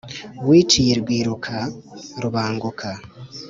wiciye i rwiruka, rubanguka,